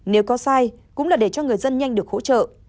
nếu có sai cũng là để cho người dân nhanh được hỗ trợ